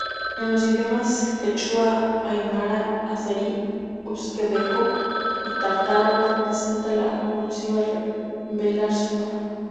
En los idiomas quechua, aimara, azerí, uzbeko y tártaro representa la oclusiva velar sonora.